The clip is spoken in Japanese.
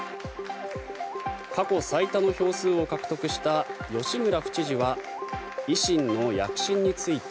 過去最多の票数を獲得した吉村府知事は維新の躍進について。